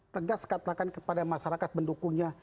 tegas katakan kepada masyarakat pendukungnya